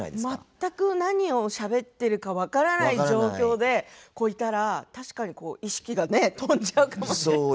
全く何をしゃべってるか分からない状況でいたら確かに意識が飛んじゃうかも。